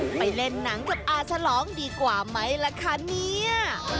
ไปเล่นหนังกับอาฉลองดีกว่าไหมล่ะคะเนี่ย